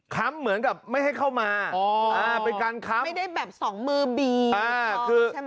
ค้ำเหมือนกับไม่ให้เข้ามาอ๋ออ่าเป็นการค้ำไม่ได้แบบสองมือบีอ่าคือใช่ไหม